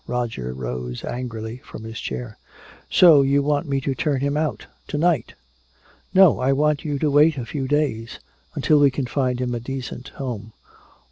Roger rose angrily from his chair: "So you want me to turn him out! To night!" "No, I want you to wait a few days until we can find him a decent home."